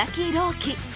希。